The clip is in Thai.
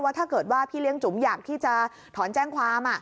ถ้าเกิดว่าพี่เลี้ยงจุ๋มอยากที่จะถอนแจ้งความ